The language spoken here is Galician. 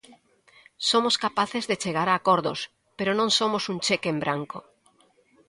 Somos capaces de chegar a acordos, pero non somos un cheque en branco.